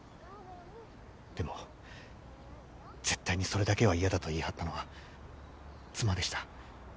でも絶対にそれだけは嫌だと言い張ったのは妻でした。